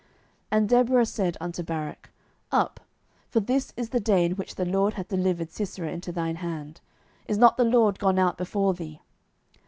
07:004:014 And Deborah said unto Barak, Up; for this is the day in which the LORD hath delivered Sisera into thine hand: is not the LORD gone out before thee?